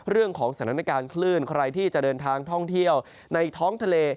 เรื่องของสถานการณ์คลื่นใครที่จะเดินทางท่องเที่ยวในท้องทะเล